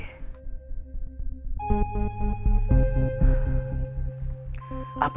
gak ada apa apa